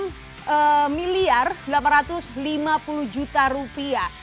total empat puluh enam miliar delapan ratus lima puluh juta rupiah